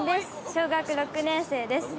小学６年生です。